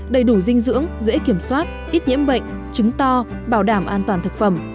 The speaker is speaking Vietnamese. đầy đủ dinh dưỡng dễ kiểm soát ít nhiễm bệnh trứng to bảo đảm an toàn thực phẩm